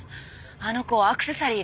あの子アクセサリー